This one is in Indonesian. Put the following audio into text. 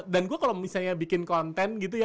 dan gue kalau misalnya bikin konten gitu ya